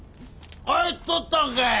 帰っとったんかい！